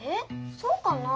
そうかな。